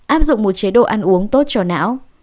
áp dụng một chế độ ăn uống tốt cho não